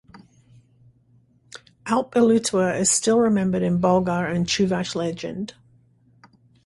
Alp Iluetuer is still remembered in Bulgar and Chuvash legend.